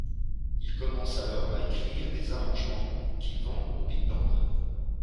Il commence alors à écrire des arrangements qu'il vend aux big bands.